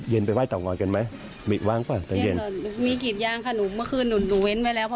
รุงบุญข้าวสากแถวนี้เวลาก็เรียกบุญข้าวสาก